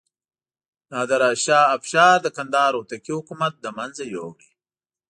نادر شاه افشار د کندهار هوتکي حکومت له منځه یووړ.